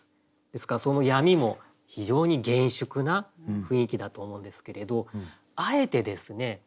ですからその闇も非常に厳粛な雰囲気だと思うんですけれどあえてですね